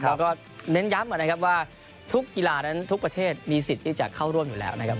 เราก็เน้นย้ำนะครับว่าทุกกีฬานั้นทุกประเทศมีสิทธิ์ที่จะเข้าร่วมอยู่แล้วนะครับ